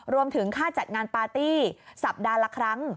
รวมถึงค่าจัดงานปาร์ตี้สัปดาห์ละครั้ง